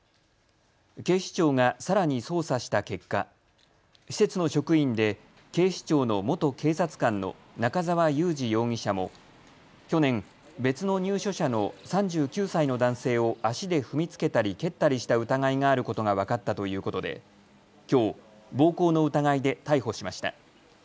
警視庁がさらに捜査した結果、施設の職員で警視庁の元警察官の中澤雄治容疑者も去年、別の入所者の３９歳の男性を足で踏みつけたり蹴ったりした疑いがあることが分かったということできょう暴行の疑いで逮捕しました。